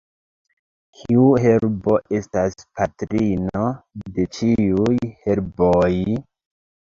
Kiu herbo estas patrino de ĉiuj herboj?